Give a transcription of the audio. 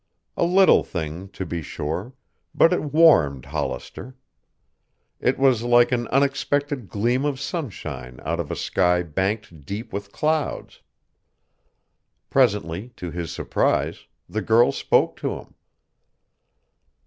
A little thing, to be sure, but it warmed Hollister. It was like an unexpected gleam of sunshine out of a sky banked deep with clouds. Presently, to his surprise, the girl spoke to him.